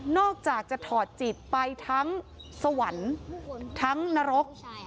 อกจากจะถอดจิตไปทั้งสวรรค์ทั้งนรก